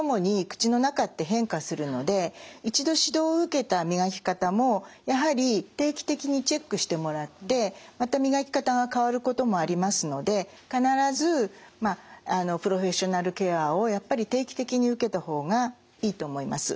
一度指導を受けた磨き方もやはり定期的にチェックしてもらってまた磨き方が変わることもありますので必ずプロフェッショナルケアをやっぱり定期的に受けた方がいいと思います。